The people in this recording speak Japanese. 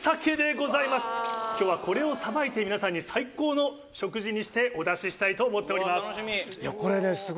今日はこれをさばいて皆さんに最高の食事にしてお出ししたいと思っております。